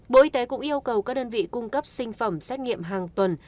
bộ y tế cũng yêu cầu các đơn vị cung cấp sinh phẩm xét nghiệm hàng tuần